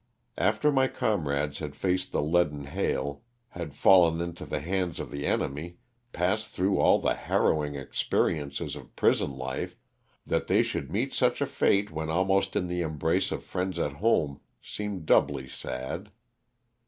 After my comrades had faced the leaden hail, had fallen into the hands of the enemy, passed through all the harrowing experiences of prison life, that they should meet such a fate when almost in the embrace of friends at home seemed doubly sad.